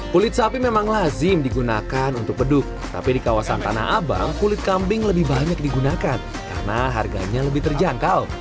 kulit sapi memang lazim digunakan untuk beduk tapi di kawasan tanah abang kulit kambing lebih banyak digunakan karena harganya lebih terjangkau